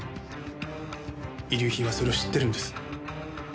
遺留品はそれを知ってるんです。